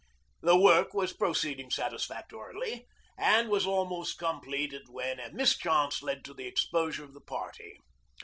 The work was proceeding satisfactorily and was almost completed when a mischance led to the exposure of the party.